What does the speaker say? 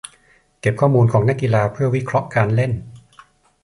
เก็บข้อมูลของนักกีฬาเพื่อวิเคราะห์การเล่น